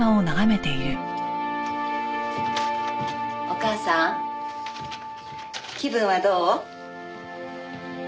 お母さん気分はどう？